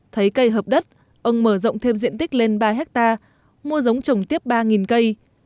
thấy cây hợp đất ông mở rộng thêm diện tích lên ba hectare mua giống trồng tiếp ba cây